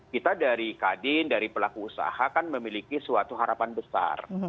kita dari kadin dari pelaku usaha kan memiliki suatu harapan besar